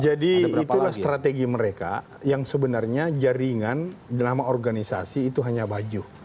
jadi itulah strategi mereka yang sebenarnya jaringan dalam organisasi itu hanya baju